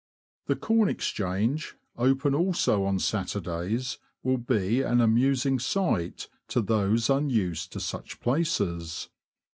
The Corn Exchange, open also on Saturdays, will be an amusing sight to those unused to such places.